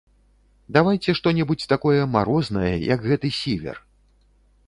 Давайце што-небудзь такое марознае, як гэты сівер.